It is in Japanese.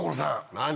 何？